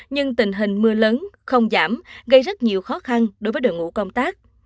nhưng tình hình mưa lớn không giảm gây rất nhiều khó khăn đối với đội ngũ công tác